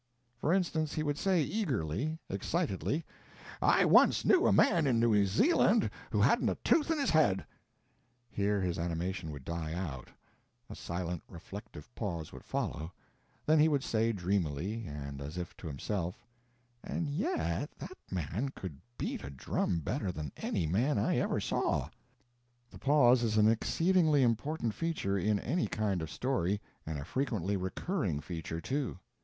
For instance, he would say eagerly, excitedly, "I once knew a man in New Zealand who hadn't a tooth in his head" here his animation would die out; a silent, reflective pause would follow, then he would say dreamily, and as if to himself, "and yet that man could beat a drum better than any man I ever saw." The pause is an exceedingly important feature in any kind of story, and a frequently recurring feature, too.